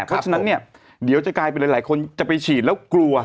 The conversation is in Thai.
เพราะฉะนั้นเนี่ยเดี๋ยวจะกลายเป็นหลายคนจะไปฉีดแล้วกลัว